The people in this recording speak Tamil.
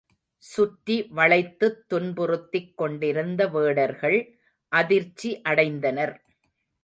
சுற்றி வளைத்துத் துன்புறுத்திக் கொண்டிருந்த வேடர்கள் அதிர்ச்சி அடைந்தனர்.